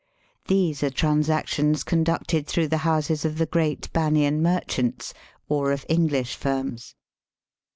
These are transactions conducted through the houses of the great Banian merchants or of English firms.